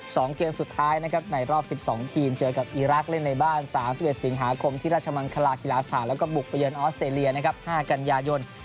สองเกมสุดท้ายนะครับในรอบสิบสองทีมเจอกับอีรักษ์เล่นในบ้านสามสิบเอ็ดสิงหาคมที่ราชมังคลากีฬาสถานแล้วก็บุกไปเยือนออสเตรเลียนะครับห้ากันยายน